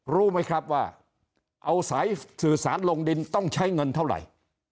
รู้ไหมครับว่าเอาสายสื่อสารลงดินต้องใช้เงินเท่าไหร่